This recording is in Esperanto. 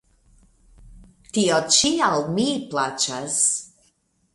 Tio ĉi al mi plaĉas!